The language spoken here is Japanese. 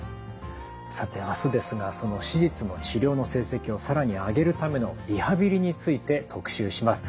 さてあすですがその手術の治療の成績を更に上げるためのリハビリについて特集します。